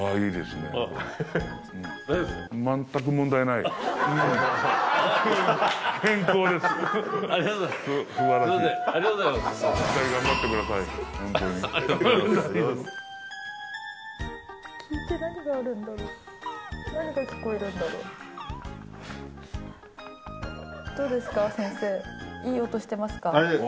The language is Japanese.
いい音してますか？